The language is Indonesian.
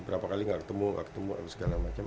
berapa kali gak ketemu ketemu segala macam